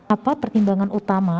apa pertimbangan utama